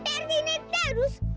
kalau cpr ini terus